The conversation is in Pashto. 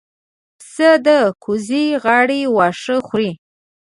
پسه د کوزې غاړې واښه خوري.